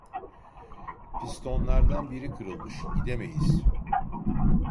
Pistonlardan biri kırılmış, gidemeyiz.